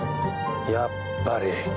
やっぱり。